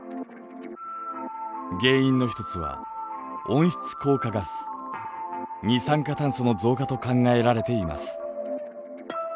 原因の一つは温室効果ガス二酸化炭素の増加と考えられています。